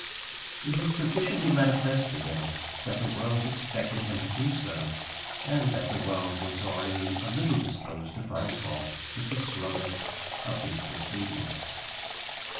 It was sufficiently manifest to him that the world expected him to do so, and that the world was already a little disposed to find fault with the slowness of his proceedings.